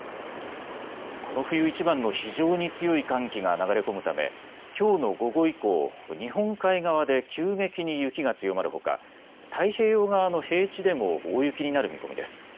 この冬いちばんの非常に強い寒気が流れ込むためきょうの午後以降、日本海側で急激に雪が強まるほか太平洋側の平地でも大雪になる見込みです。